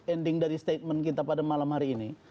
ending dari statement kita pada malam hari ini